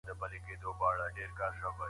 د افغانستان د ځوانانو لپاره.